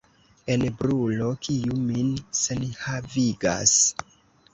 Jen brulo, kiu min senhavigas.